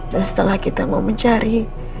dan setelah kita mau mencari